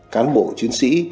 cán bộ chiến sĩ